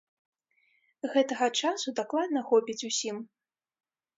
Гэтага часу дакладна хопіць усім.